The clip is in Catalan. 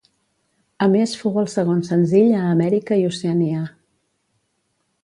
A més fou el segon senzill a Amèrica i Oceania.